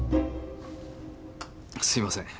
すいません。